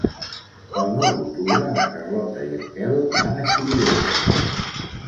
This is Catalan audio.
El nou d'octubre na Carlota i en Quel van a Xirivella.